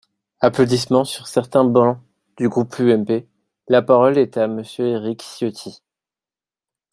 (Applaudissements sur certains bancs du groupe UMP.) La parole est à Monsieur Éric Ciotti.